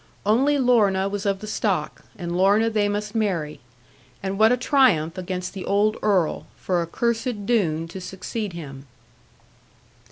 Only Lorna was of the stock; and Lorna they must marry. And what a triumph against the old earl, for a cursed Doone to succeed him!